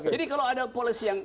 jadi kalau ada polisi yang